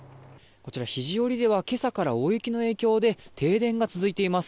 こちら、肘折では今朝から大雪の影響で停電が続いています。